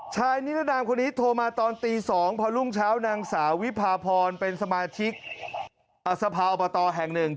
นิรนามคนนี้โทรมาตอนตี๒พอรุ่งเช้านางสาววิพาพรเป็นสมาชิกสภาอบตแห่งหนึ่ง